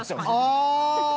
ああ！